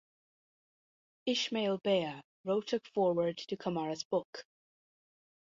Ishmael Beah wrote a foreword to Kamara's book.